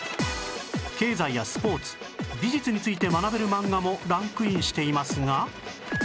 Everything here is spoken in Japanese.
経済やスポーツ美術について学べる漫画もランクインしていますが